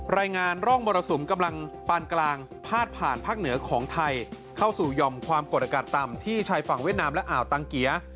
รายงานร่องมรสุมกำลังปานกลางพาดผ่านภาคเหนือของไทยเข้าสู่หย่อมความกดอากาศต่ำที่ชายฝั่งเวียดนามและอ่าวตังเกีย